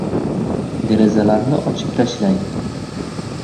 Derazalarni ochib tashlang.